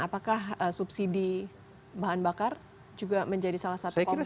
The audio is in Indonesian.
apakah subsidi bahan bakar juga menjadi salah satu komponen